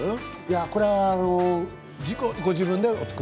これはご自分で。